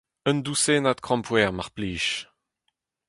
Un dousennad krampouezh, mar plij.